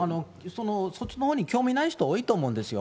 そっちのほうに興味ない人多いと思うんですよ。